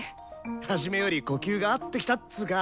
初めより呼吸が合ってきたっつか。